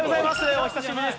お久しぶりです。